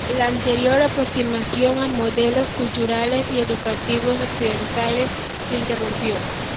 La anterior aproximación a modelos culturales y educativos occidentales se interrumpió.